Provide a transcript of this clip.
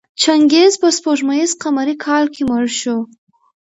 چنګیز په سپوږمیز قمري کال کې مړ شو.